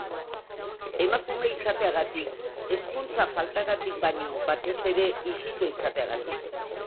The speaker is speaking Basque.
Emakume izateagatik, hezkuntza faltagatik baina batez ere, ijito izateagatik.